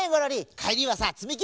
かえりはさつみき